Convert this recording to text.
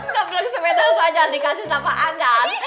gabelang sepeda saja dikasih sama anggar